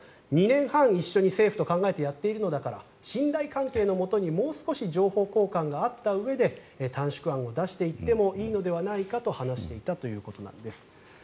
２年半一緒に政府と考えてやっているのだから信頼関係のもとにもう少し情報交換があったうえで短縮案を出していってもいいのではないかと話していたということです。